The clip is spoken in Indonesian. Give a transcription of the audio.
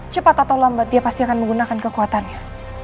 cepat atau lambat dia pasti akan menggunakan kekuatannya